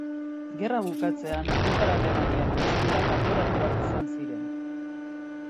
Gerra bukatzean hiritar alemaniar guztiak kanporatuak izan ziren.